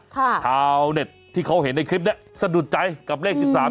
ชาวเน็ตที่เขาเห็นในคลิปเนี้ยสะดุดใจกับเลขสิบสาม